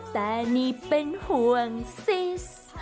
แต่นี่เป็นห่วงซิส